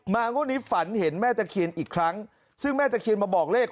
งวดนี้ฝันเห็นแม่ตะเคียนอีกครั้งซึ่งแม่ตะเคียนมาบอกเลข